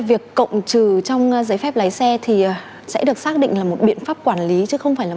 việc cộng trừ trong giấy phép lái xe thì sẽ được xác định là một biện pháp quản lý chứ không phải là